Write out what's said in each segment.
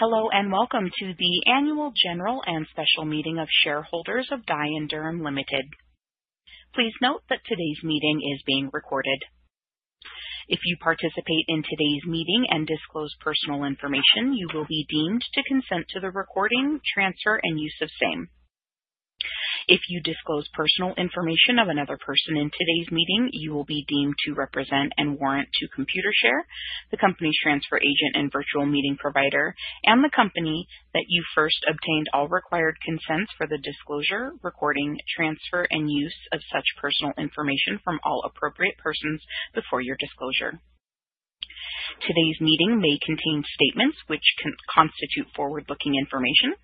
Hello and welcome to the annual general and special meeting of shareholders of Dye & Durham Limited. Please note that today's meeting is being recorded. If you participate in today's meeting and disclose personal information, you will be deemed to consent to the recording, transfer, and use of same. If you disclose personal information of another person in today's meeting, you will be deemed to represent and warrant to Computershare, the company's transfer agent and virtual meeting provider, and the company that you first obtained all required consents for the disclosure, recording, transfer, and use of such personal information from all appropriate persons before your disclosure. Today's meeting may contain statements which constitute forward-looking information.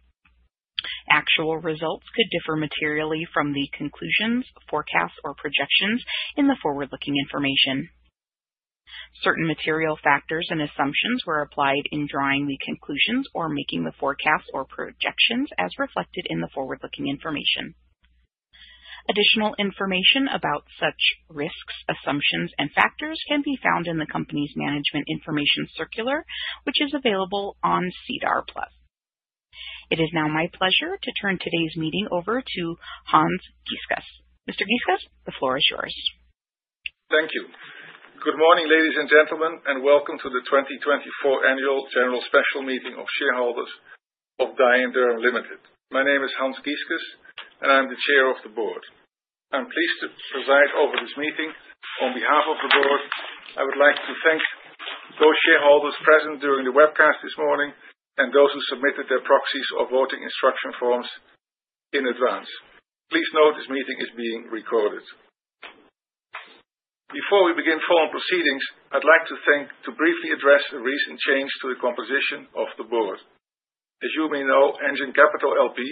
Actual results could differ materially from the conclusions, forecasts, or projections in the forward-looking information. Certain material factors and assumptions were applied in drawing the conclusions or making the forecasts or projections as reflected in the forward-looking information. Additional information about such risks, assumptions, and factors can be found in the company's management information circular, which is available on SEDAR+. It is now my pleasure to turn today's meeting over to Hans Gieskes. Mr. Gieskes, the floor is yours. Thank you. Good morning, ladies and gentlemen, and welcome to the 2024 annual general special meeting of shareholders of Dye & Durham Limited. My name is Hans Gieskes, and I'm the chair of the board. I'm pleased to preside over this meeting on behalf of the board. I would like to thank those shareholders present during the webcast this morning and those who submitted their proxies or voting instruction forms in advance. Please note this meeting is being recorded. Before we begin formal proceedings, I'd like to briefly address a recent change to the composition of the board. As you may know, Engine Capital LP,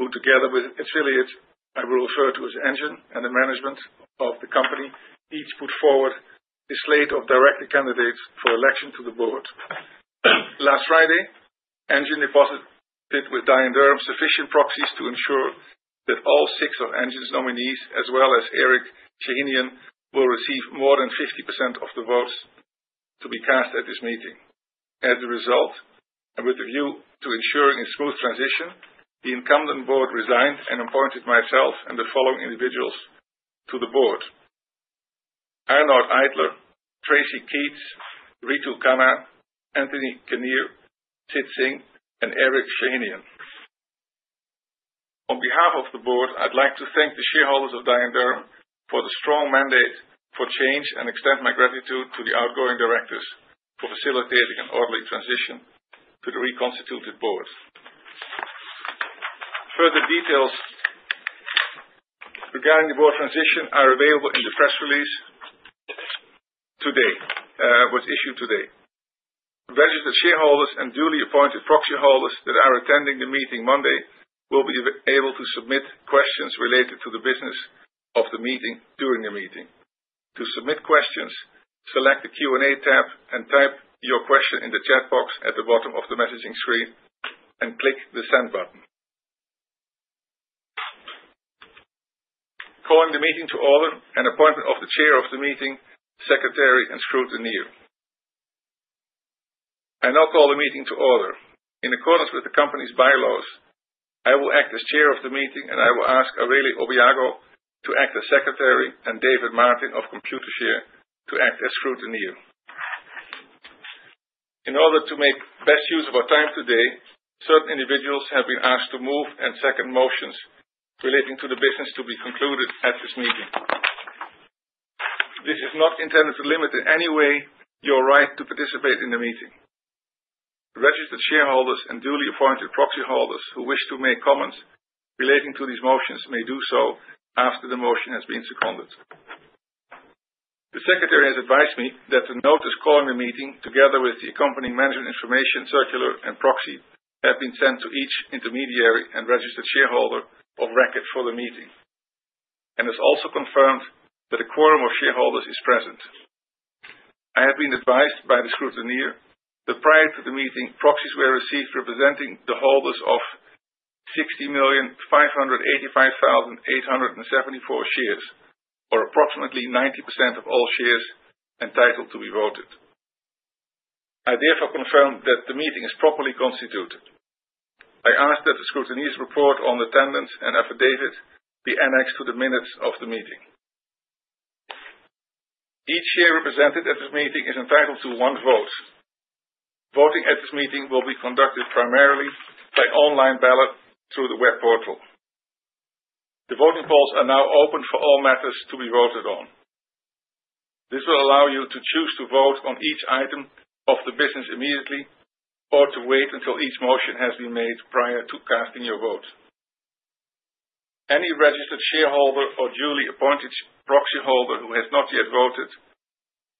who together with affiliates I will refer to as Engine and the management of the company, each put forward a slate of director candidates for election to the board. Last Friday, Engine deposited with Dye & Durham sufficient proxies to ensure that all six of Engine's nominees, as well as Eric Shahinian, will receive more than 50% of the votes to be cast at this meeting. As a result, and with a view to ensuring a smooth transition, the incumbent board resigned and appointed myself and the following individuals to the board: Arnaud Ajdler, Tracey Keates, Ritu Khanna, Anthony Kinnear, Siddharth Singh, and Eric Shahinian. On behalf of the board, I'd like to thank the shareholders of Dye & Durham for the strong mandate for change and extend my gratitude to the outgoing directors for facilitating an orderly transition to the reconstituted board. Further details regarding the board transition are available in the press release that was issued today. Registered shareholders and duly appointed proxy holders that are attending the meeting Monday will be able to submit questions related to the business of the meeting during the meeting. To submit questions, select the Q&A tab and type your question in the chat box at the bottom of the messaging screen and click the send button. Calling the meeting to order and appointment of the Chair of the meeting, Secretary, and Scrutineer. I now call the meeting to order. In accordance with the company's bylaws, I will act as Chair of the meeting and I will Awele Obiago to act as Secretary and David Martin of Computershare to act as Scrutineer. In order to make best use of our time today, certain individuals have been asked to move and second motions relating to the business to be concluded at this meeting. This is not intended to limit in any way your right to participate in the meeting. Registered shareholders and duly appointed proxy holders who wish to make comments relating to these motions may do so after the motion has been seconded. The Secretary has advised me that the notice calling the meeting together with the accompanying management information circular and proxy have been sent to each intermediary and registered shareholder of record for the meeting and has also confirmed that a quorum of shareholders is present. I have been advised by the scrutineer that prior to the meeting, proxies were received representing the holders of 60,585,874 shares, or approximately 90% of all shares entitled to be voted. I therefore confirm that the meeting is properly constituted. I ask that the scrutineer's report on attendance and affidavit be annexed to the minutes of the meeting. Each share represented at this meeting is entitled to one vote. Voting at this meeting will be conducted primarily by online ballot through the web portal. The voting polls are now open for all matters to be voted on. This will allow you to choose to vote on each item of the business immediately or to wait until each motion has been made prior to casting your vote. Any registered shareholder or duly appointed proxy holder who has not yet voted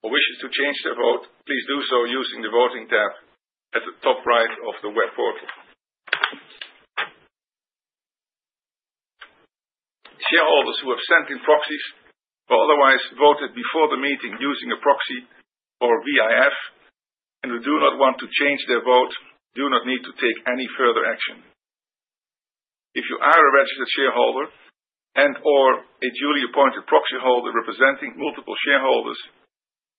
or wishes to change their vote, please do so using the voting tab at the top right of the web portal. Shareholders who have sent in proxies or otherwise voted before the meeting using a proxy or VIF and who do not want to change their vote do not need to take any further action. If you are a registered shareholder and/or a duly appointed proxy holder representing multiple shareholders,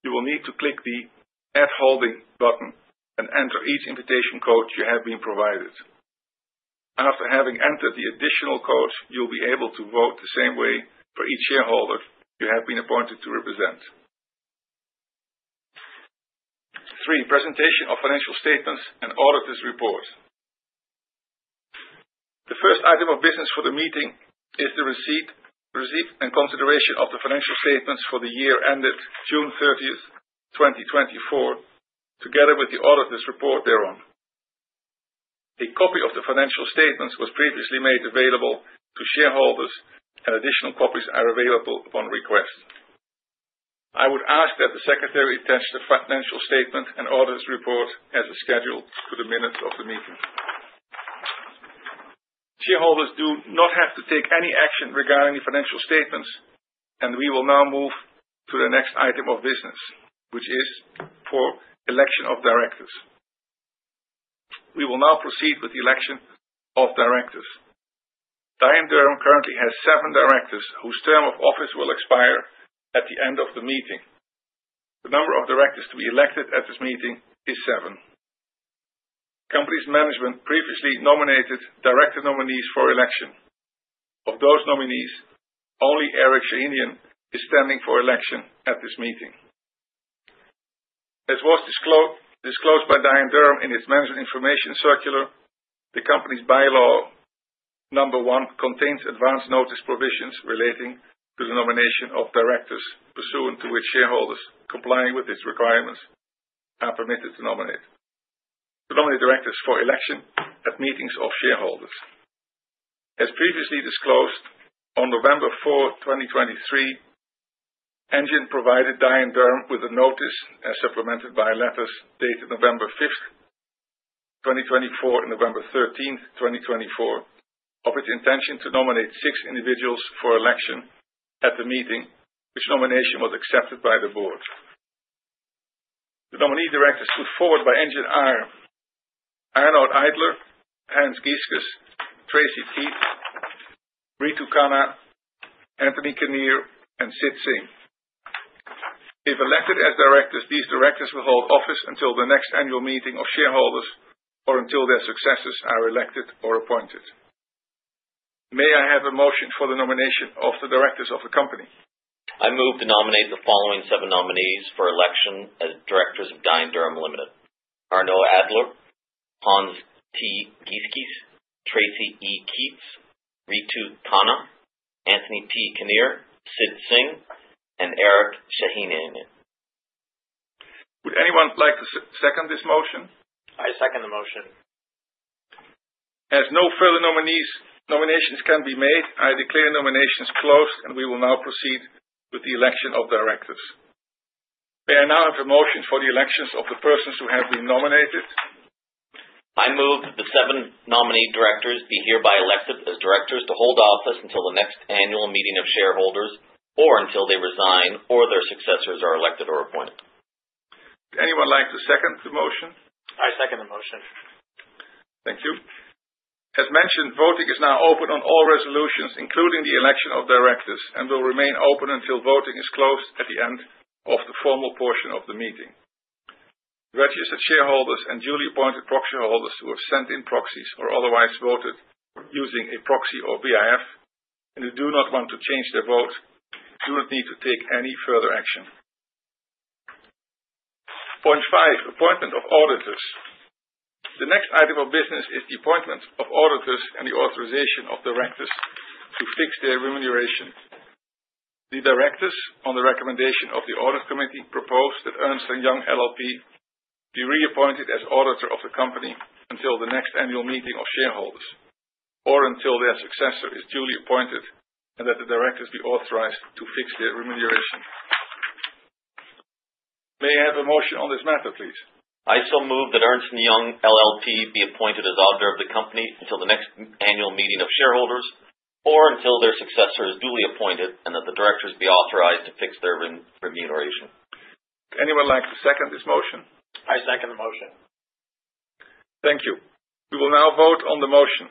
you will need to click the add holding button and enter each invitation code you have been provided. After having entered the additional codes, you'll be able to vote the same way for each shareholder you have been appointed to represent. Three, presentation of financial statements and auditor's report. The first item of business for the meeting is the receipt and consideration of the financial statements for the year ended June 30, 2024, together with the auditor's report thereon. A copy of the financial statements was previously made available to shareholders, and additional copies are available upon request. I would ask that the secretary attach the financial statement and auditor's report as scheduled to the minutes of the meeting. Shareholders do not have to take any action regarding the financial statements, and we will now move to the next item of business, which is for election of directors. We will now proceed with the election of directors. Dye & Durham currently has seven directors whose term of office will expire at the end of the meeting. The number of directors to be elected at this meeting is seven. Company's management previously nominated director nominees for election. Of those nominees, only Eric Shahinian is standing for election at this meeting. As was disclosed by Dye & Durham in its management information circular, the company's bylaw number one contains advance notice provisions relating to the nomination of directors pursuant to which shareholders complying with its requirements are permitted to nominate directors for election at meetings of shareholders. As previously disclosed, on November 4, 2023, Engine provided Dye & Durham with a notice as supplemented by letters dated November 5th, 2024, and November 13th, 2024, of its intention to nominate six individuals for election at the meeting, which nomination was accepted by the board. The nominee directors put forward by Engine are Arnaud Ajdler, Hans Gieskes, Tracey Keates, Ritu Khanna, Anthony Kinnear, and Siddharth Singh. If elected as directors, these directors will hold office until the next annual meeting of shareholders or until their successors are elected or appointed. May I have a motion for the nomination of the directors of the company? I move to nominate the following seven nominees for election as directors of Dye & Durham Limited: Arnaud Ajdler, Hans T. Gieskes, Tracey E. Keates, Ritu Khanna, Anthony P. Kinnear, Siddharth Singh, and Eric Shahinian. Would anyone like to second this motion? I second the motion. As no further nominees or nominations can be made, I declare nominations closed and we will now proceed with the election of directors. May I now have a motion for the election of the persons who have been nominated? I move that the seven nominee directors be hereby elected as directors to hold office until the next annual meeting of shareholders or until they resign or their successors are elected or appointed. Does anyone like to second the motion? I second the motion. Thank you. As mentioned, voting is now open on all resolutions, including the election of directors, and will remain open until voting is closed at the end of the formal portion of the meeting. Registered shareholders and duly appointed proxy holders who have sent in proxies or otherwise voted using a proxy or VIF and who do not want to change their vote do not need to take any further action. Point five, appointment of auditors. The next item of business is the appointment of auditors and the authorization of directors to fix their remuneration. The directors, on the recommendation of the audit committee, propose that Ernst & Young LLP be reappointed as auditor of the company until the next annual meeting of shareholders or until their successor is duly appointed and that the directors be authorized to fix their remuneration. May I have a motion on this matter, please? I so move that Ernst & Young LLP be appointed as auditor of the company until the next annual meeting of shareholders or until their successor is duly appointed and that the directors be authorized to fix their remuneration. Does anyone like to second this motion? I second the motion. Thank you. We will now vote on the motion.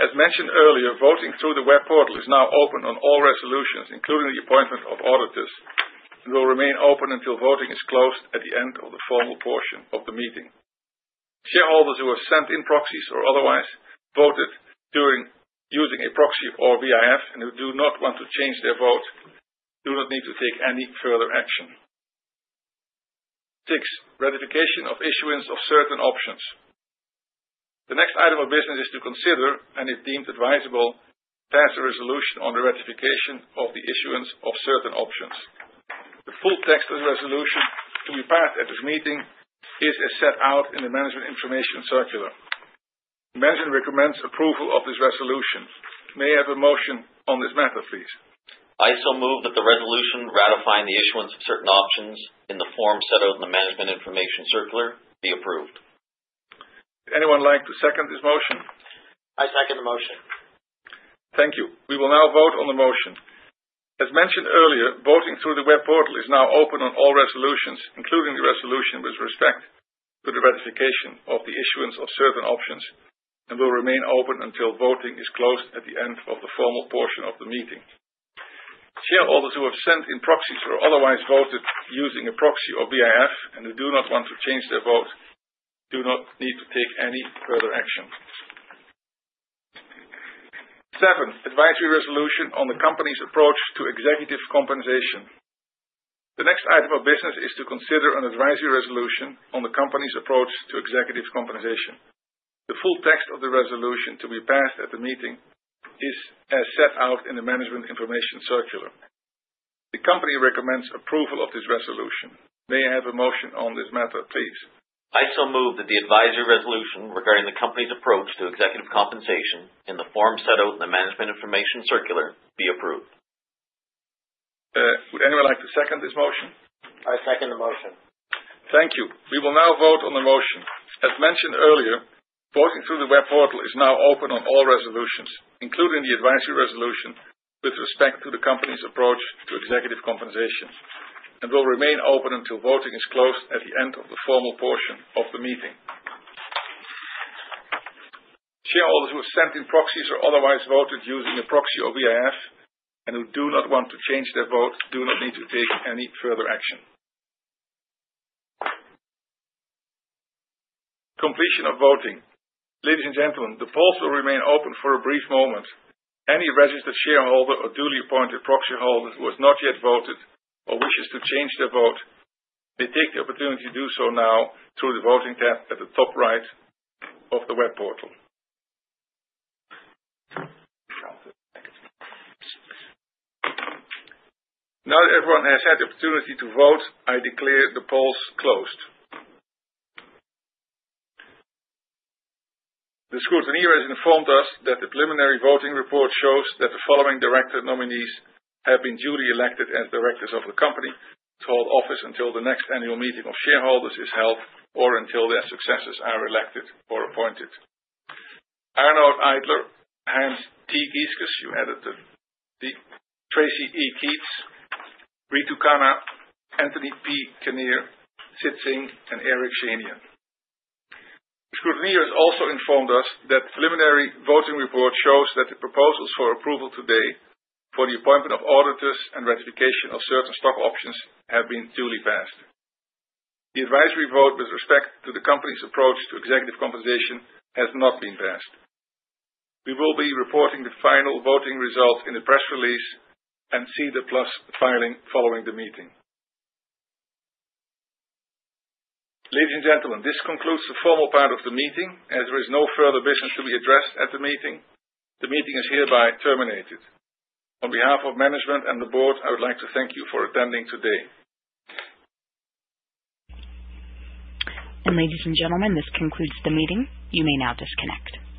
As mentioned earlier, voting through the web portal is now open on all resolutions, including the appointment of auditors, and will remain open until voting is closed at the end of the formal portion of the meeting. Shareholders who have sent in proxies or otherwise voted using a proxy or VIF and who do not want to change their vote do not need to take any further action. Six, ratification of issuance of certain options. The next item of business is to consider, and if deemed advisable, to pass a resolution on the ratification of the issuance of certain options. The full text of the resolution to be passed at this meeting is as set out in the management information circular. Management recommends approval of this resolution. May I have a motion on this matter, please? I so move that the resolution ratifying the issuance of certain options in the form set out in the management information circular be approved. Does anyone like to second this motion? I second the motion. Thank you. We will now vote on the motion. As mentioned earlier, voting through the web portal is now open on all resolutions, including the resolution with respect to the ratification of the issuance of certain options, and will remain open until voting is closed at the end of the formal portion of the meeting. Shareholders who have sent in proxies or otherwise voted using a proxy or VIF and who do not want to change their vote do not need to take any further action. Seven, advisory resolution on the company's approach to executive compensation. The next item of business is to consider an advisory resolution on the company's approach to executive compensation. The full text of the resolution to be passed at the meeting is as set out in the management information circular. The company recommends approval of this resolution. May I have a motion on this matter, please? I so move that the advisory resolution regarding the company's approach to executive compensation in the form set out in the management information circular be approved. Would anyone like to second this motion? I second the motion. Thank you. We will now vote on the motion. As mentioned earlier, voting through the web portal is now open on all resolutions, including the advisory resolution with respect to the company's approach to executive compensation, and will remain open until voting is closed at the end of the formal portion of the meeting. Shareholders who have sent in proxies or otherwise voted using a proxy or VIF and who do not want to change their vote do not need to take any further action. Completion of voting. Ladies and gentlemen, the polls will remain open for a brief moment. Any registered shareholder or duly appointed proxy holder who has not yet voted or wishes to change their vote, may take the opportunity to do so now through the voting tab at the top right of the web portal. Now that everyone has had the opportunity to vote, I declare the polls closed. The scrutineer has informed us that the preliminary voting report shows that the following director nominees have been duly elected as directors of the company to hold office until the next annual meeting of shareholders is held or until their successors are elected or appointed: Arnaud Ajdler, Hans T. Gieskes, Tracey E. Keates, Ritu Khanna, Anthony P. Kinnear, Siddharth Singh, and Eric Shahinian. The scrutineer has also informed us that the preliminary voting report shows that the proposals for approval today for the appointment of auditors and ratification of certain stock options have been duly passed. The advisory vote with respect to the company's approach to executive compensation has not been passed. We will be reporting the final voting results in the press release and SEDAR+ filing following the meeting. Ladies and gentlemen, this concludes the formal part of the meeting. As there is no further business to be addressed at the meeting, the meeting is hereby terminated. On behalf of management and the board, I would like to thank you for attending today. Ladies and gentlemen, this concludes the meeting. You may now disconnect.